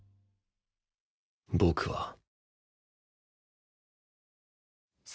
僕は。